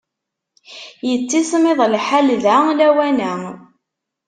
Yettismiḍ lḥal da lawan-a.